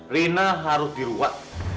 rina harus diruak